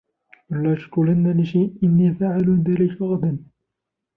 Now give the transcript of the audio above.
ولا تقولن لشيء إني فاعل ذلك غدا